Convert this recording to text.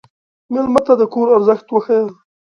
مېلمه ته د کور ارزښت وښیه.